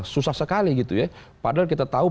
susah sekali gitu ya padahal kita tahu